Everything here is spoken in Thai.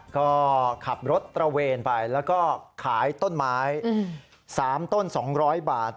ก็ขับรถตระเวนไปแล้วก็ขายต้นไม้๓ต้น๒๐๐บาท